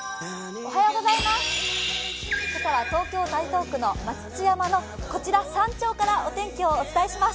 今朝は東京・台東区待乳山のこちら山頂からお天気をお伝えします。